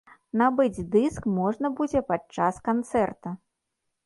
Набыць дыск можна будзе падчас канцэрта.